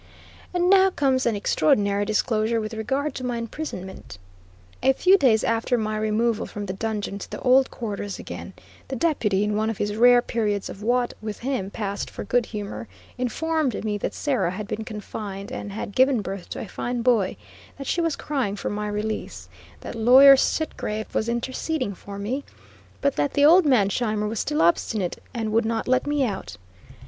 And now comes an extraordinary disclosure with regard to my imprisonment. A few days after my removal from the dungeon to the old quarters again, the Deputy, in one of his rare periods of what, with him, passed for good humor, informed me that Sarah had been confined, and had given birth to a fine boy; that she was crying for my release; that Lawyer Sitgreave was interceding for me; but that the old man Scheimer was still obstinate and would not let me out.